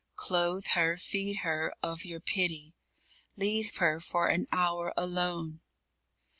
Clothe her, feed her, of your pity. Leave her for an hour alone.